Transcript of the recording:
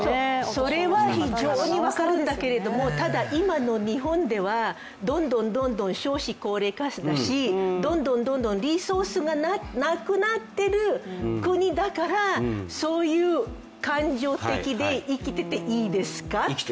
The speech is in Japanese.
それは非常に分かるんだけれどもただ今の日本ではどんどんどんどん少子高齢化だしどんどんどんどんリソースがなくなっている国だから、そういう感情的で生きてていいですか？